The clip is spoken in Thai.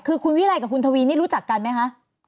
คุณวิไล่กับคุณทวีรู้จักกันไหมคะ